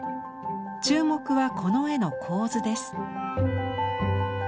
注目はこの絵の構図です。